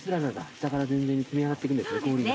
下から順々に積み上がっていくんですね氷が。